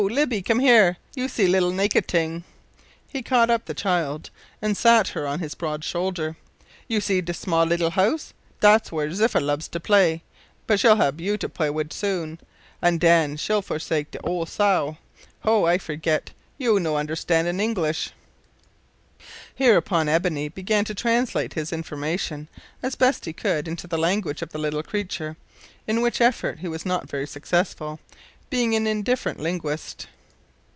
Lippy, come here, you little naked ting," (he caught up the child an' sat her on his broad shoulder). "You see de small leetil house. Dat's it. Dat's whar' Ziffa lubs to play, but she'll hab you to play wid soon, an' den she'll forsake de ole sow. Ho! but I forgit you no understan' English." Hereupon Ebony began to translate his information as he best could into the language of the little creature, in which effort he was not very successful, being an indifferent linguist.